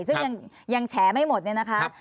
ซึ่งยังแฉไม่หมดเนี่ยนะคะ